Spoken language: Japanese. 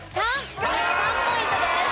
３ポイントです。